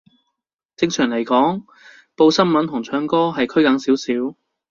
正常嚟講，報新聞同唱歌係拘謹少少